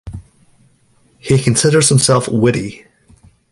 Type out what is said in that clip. He considers himself witty.